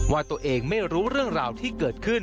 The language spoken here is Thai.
ว่าตัวเองไม่รู้เรื่องราวที่เกิดขึ้น